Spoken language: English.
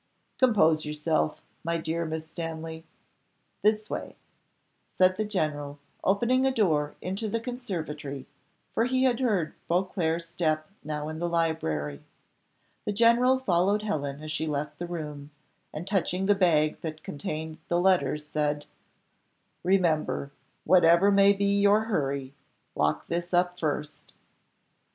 "Compose yourself, my dear Miss Stanley this way," said the general, opening a door into the conservatory, for he heard Beauclerc's step now in the library. The general followed Helen as she left the room, and touching the bag that contained the letters, said, "Remember, whatever may be your hurry, lock this up first."